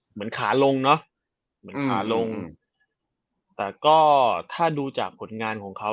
เหมือนขาลงเนอะเหมือนขาลงแต่ก็ถ้าดูจากผลงานของเขา